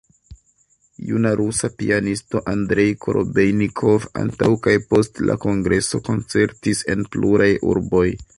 Juna rusa pianisto Andrej Korobejnikov antaŭ kaj post la kongreso koncertis en pluraj urboj.